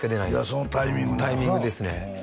そのタイミングやんなあタイミングですね